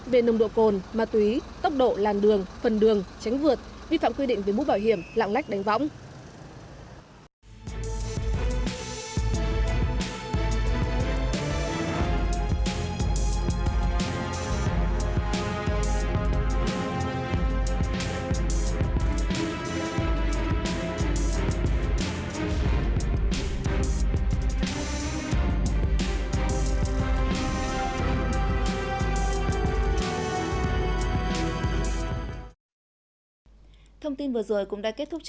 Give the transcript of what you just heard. về nồng độ cồn ma túy tốc độ làn đường phần đường tránh vượt vi phạm quy định về mũ bảo hiểm lạng lách đánh võng